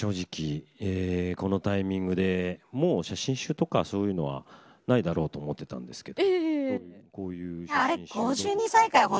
このタイミングでもう写真集とかそういうのはないだろうと思っていたんですけど。